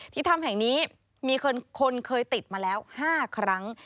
ถ้ำแห่งนี้มีคนเคยติดมาแล้ว๕ครั้ง